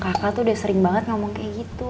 kakak tuh udah sering banget ngomong kayak gitu